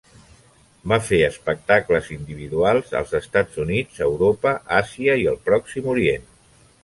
Va fer espectacles individuals als Estats Units, Europa, Àsia i el Pròxim Orient.